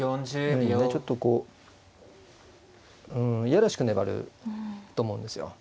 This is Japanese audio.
ちょっとこううん嫌らしく粘ると思うんですよ。